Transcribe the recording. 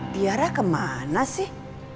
tiara kemana sih